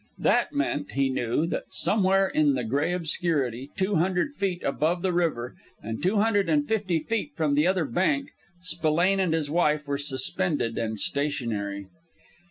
That meant, he knew, that somewhere in the gray obscurity, two hundred feet above the river and two hundred and fifty feet from the other bank, Spillane and his wife were suspended and stationary.